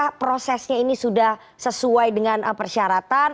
apakah prosesnya ini sudah sesuai dengan persyaratan